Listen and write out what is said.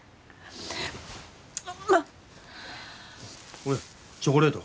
これチョコレート。